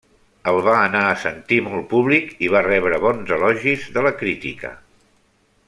El va anar a sentir molt públic i va rebre bons elogis de la crítica.